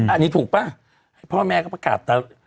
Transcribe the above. อันนี้ถูกป่ะให้พ่อแม่ไปประกาศ